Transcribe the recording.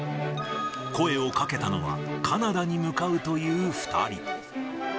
声をかけたのは、カナダに向かうという２人。